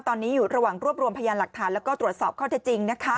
ตอนนี้อยู่ระหว่างรวบรวมพยานหลักฐานแล้วก็ตรวจสอบข้อเท็จจริงนะคะ